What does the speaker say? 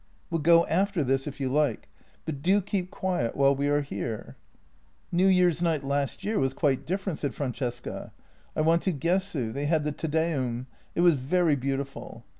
" We'll go after this if you like, but do keep quiet while we are here." " New Year's night last year was quite different," said Fran cesca. " I went to Gesu. They had the Te Deum; it was very beautiful.